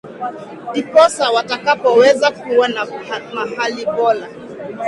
diposa watakapoweza kuwa na hali bora